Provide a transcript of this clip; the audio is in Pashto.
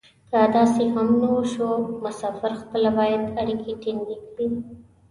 که داسې هم و نه شو مسافر خپله باید اړیکې ټینګې کړي.